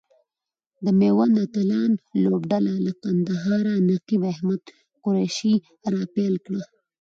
د ميوند اتلان لوبډله له کندهاره نقیب احمد قریشي را پیل کړه.